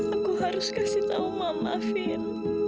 aku harus kasih tau mama vin